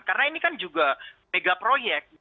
karena ini kan juga mega proyek